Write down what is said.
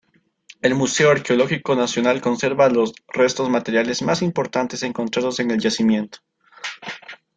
El Museo Arqueológico Nacional conserva los restos materiales más importantes encontrados en el yacimiento.